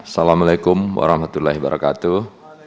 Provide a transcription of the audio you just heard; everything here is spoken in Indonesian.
assalamu alaikum warahmatullahi wabarakatuh